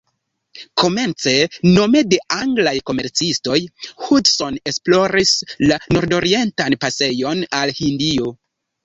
Komence, nome de anglaj komercistoj, Hudson esploris la nordorientan pasejon al Hindio.